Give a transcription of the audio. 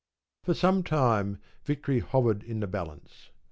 For some time victory hovered in the balance.